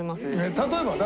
例えば誰？